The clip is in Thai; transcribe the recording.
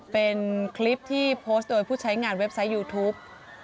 เป็นคลิปที่โพสต์โดยผู้ใช้งานเว็บไซต์ยูทูป